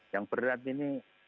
yang berat ini